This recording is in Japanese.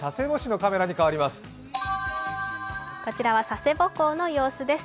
こちらは佐世保港の様子です。